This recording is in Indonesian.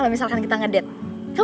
dia keadaan diantaraan